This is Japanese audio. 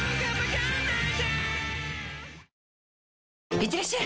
いってらっしゃい！